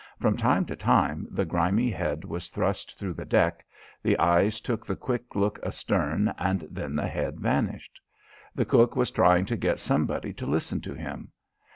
From time to time the grimy head was thrust through the deck, the eyes took the quick look astern and then the head vanished. The cook was trying to get somebody to listen to him.